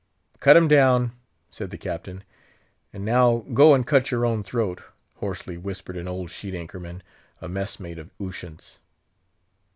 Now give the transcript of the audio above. "Cut him down," said the Captain. "And now go and cut your own throat," hoarsely whispered an old sheet anchor man, a mess mate of Ushant's.